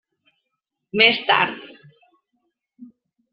Més tard.